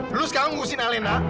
lo sekarang ngurusin alena